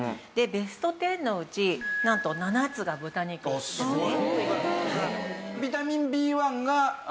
ベスト１０のうちなんと７つが豚肉ですね。